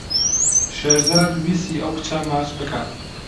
شێرزاد ویستی ئەو کچە ماچ بکات.